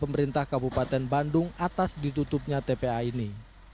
pemerintah kabupaten bandung atas ditutupnya tpa ini